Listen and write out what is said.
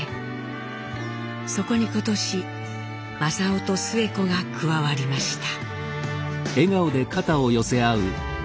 そこに今年正雄とスエ子が加わりました。